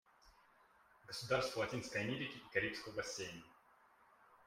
Государства Латинской Америки и Карибского бассейна.